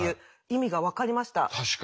確かに。